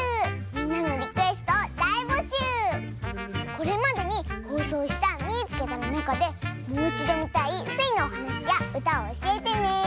これまでにほうそうした「みいつけた！」のなかでもういちどみたいスイのおはなしやうたをおしえてね！